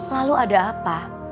lalu ada apa